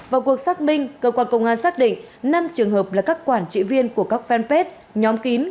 vào cuộc xác minh cơ quan công an xác định năm trường hợp là các quản trị viên của các fanpage nhóm kín